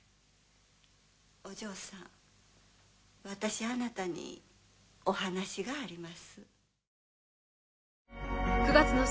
お嬢さん私あなたにお話があります。